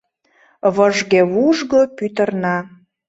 Выжге-вужго пӱтырна.